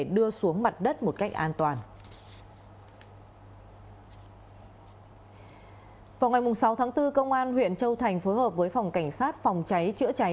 vào ngày sáu tháng bốn công an huyện châu thành phối hợp với phòng cảnh sát phòng cháy chữa cháy